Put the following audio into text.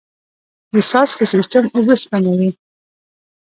د څاڅکي سیستم اوبه سپموي.